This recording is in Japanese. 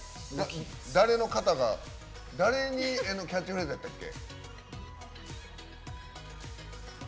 誰のキャッチフレーズやったっけ？